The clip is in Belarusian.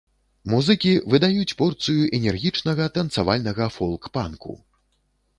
Музыкі выдаюць порцыю энергічнага танцавальнага фолк-панку.